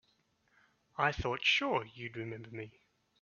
I thought sure you'd remember me.